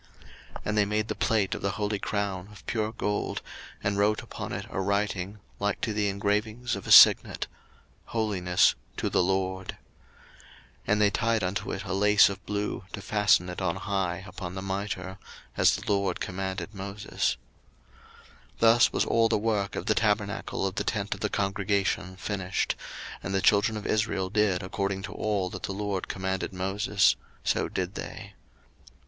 02:039:030 And they made the plate of the holy crown of pure gold, and wrote upon it a writing, like to the engravings of a signet, HOLINESS TO THE LORD. 02:039:031 And they tied unto it a lace of blue, to fasten it on high upon the mitre; as the LORD commanded Moses. 02:039:032 Thus was all the work of the tabernacle of the tent of the congregation finished: and the children of Israel did according to all that the LORD commanded Moses, so did they.